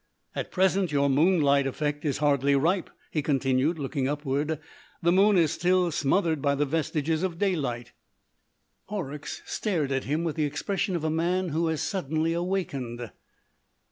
"At present your moonlight effect is hardly ripe," he continued, looking upward; "the moon is still smothered by the vestiges of daylight." Horrocks stared at him with the expression of a man who has suddenly awakened.